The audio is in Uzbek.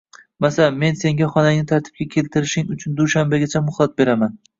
Masalan: “Men senga xonangni tartibga keltirishing uchun dushanbagacha muhlat beraman.